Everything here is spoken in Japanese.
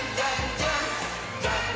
ジャンプ！！」